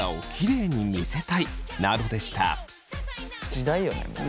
時代よねもう。